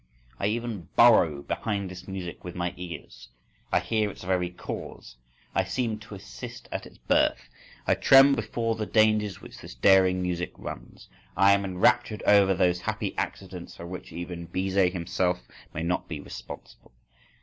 —I even burrow behind this music with my ears. I hear its very cause. I seem to assist at its birth. I tremble before the dangers which this daring music runs, I am enraptured over those happy accidents for which even Bizet himself may not be responsible.